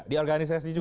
di organisasi juga